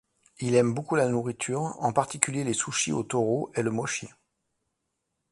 Il aime beaucoup la nourriture, en particulier les sushis au toro et le mochi.